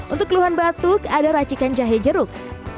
untuk keluhan batuk ada racikan jahe jeruk